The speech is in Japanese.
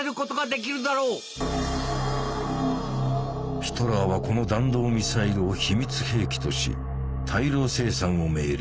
ヒトラーはこの弾道ミサイルを秘密兵器とし大量生産を命令。